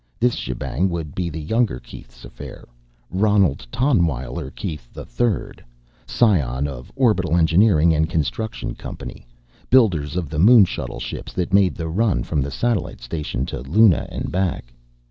This shebang would be the younger Keith's affair. Ronald Tonwyler Keith, III, scion of Orbital Engineering and Construction Company builders of the moon shuttle ships that made the run from the satellite station to Luna and back.